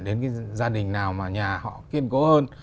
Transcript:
đến cái gia đình nào mà nhà họ kiên cố hơn